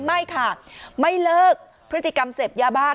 ไม่ค่ะไม่เลิกพฤติกรรมเสพยาบ้า